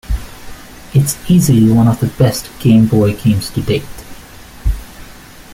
It's easily one of the best Game Boy games to date.